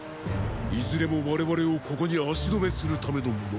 いずれも我々をここに足留めするためのもの。